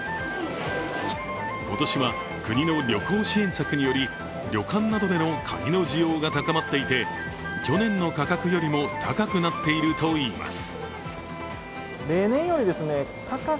今年は国の旅行支援策により旅館などでのカニの需要が高まっていて去年の価格よりも高くなっているといいます。